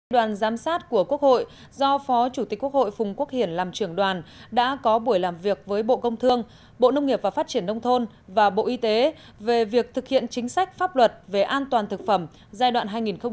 đoàn giám sát của quốc hội do phó chủ tịch quốc hội phùng quốc hiển làm trưởng đoàn đã có buổi làm việc với bộ công thương bộ nông nghiệp và phát triển nông thôn và bộ y tế về việc thực hiện chính sách pháp luật về an toàn thực phẩm giai đoạn hai nghìn một mươi sáu hai nghìn hai mươi